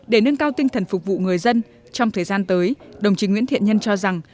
để nâng cao tinh thần phục vụ người dân trong thời gian tới đồng chí nguyễn thiện nhân cho rằng